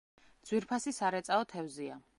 ძვირფასი სარეწაო თევზია.